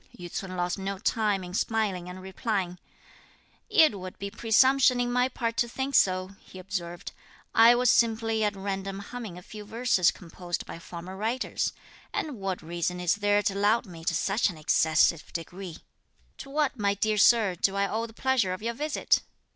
Yü ts'un lost no time in smiling and replying. "It would be presumption in my part to think so," he observed. "I was simply at random humming a few verses composed by former writers, and what reason is there to laud me to such an excessive degree? To what, my dear Sir, do I owe the pleasure of your visit?"